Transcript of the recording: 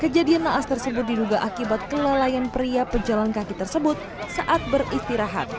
kejadian naas tersebut diduga akibat kelalaian pria pejalan kaki tersebut saat beristirahat